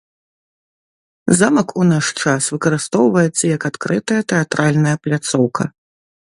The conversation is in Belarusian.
Замак у наш час выкарыстоўваецца як адкрытая тэатральная пляцоўка.